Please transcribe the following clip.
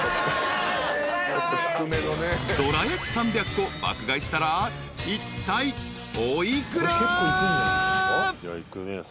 ［どら焼き３００個爆買いしたらいったいお幾ら？］